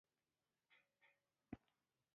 له دې ځايه ټول ولاړ شئ!